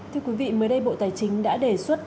thưa quý vị mới đây bộ tài chính đã đề xuất